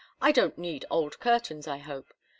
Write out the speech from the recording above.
I don't need old curtains, I hope.